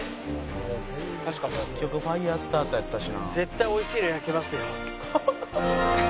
「結局ファイヤースターターやったしな」